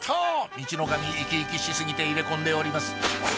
ミチノカミ生き生きし過ぎて入れ込んでおります